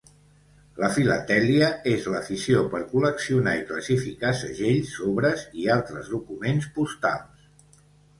La filatèlia és l'afició per col·leccionar i classificar segells, sobres i altres documents postals.